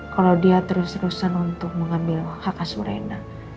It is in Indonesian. kalau dia terus terusan untuk mengambil hak asur reina